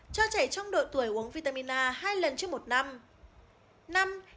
cho trẻ trong độ tuổi uống vitamin a hai lần trước một năm